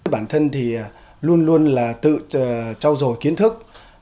bản thân thì luôn luôn là tự trao dồi kiến thức